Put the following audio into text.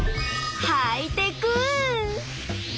ハイテク！